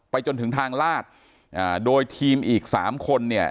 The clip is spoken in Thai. ไปจนถึงทางลาดโดยทีมอีก๓คน